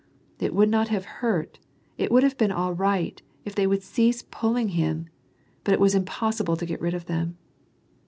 It would not have hurt, it would have been all right, if they would cease pulling him ; but it was impossible to get rid of them.